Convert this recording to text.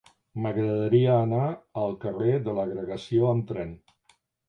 M'agradaria anar al carrer de l'Agregació amb tren.